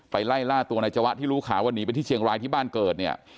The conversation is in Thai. ไล่ล่าตัวนายจวะที่รู้ข่าวว่าหนีไปที่เชียงรายที่บ้านเกิดเนี่ย